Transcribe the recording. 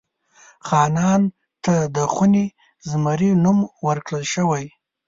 خانان ته د خوني زمري نوم ورکړل شوی.